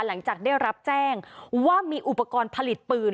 หลังจากได้รับแจ้งว่ามีอุปกรณ์ผลิตปืน